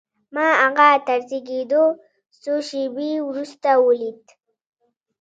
ما هغه تر زېږېدو څو شېبې وروسته وليد.